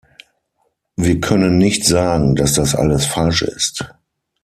Wir können nicht sagen, dass das alles falsch ist.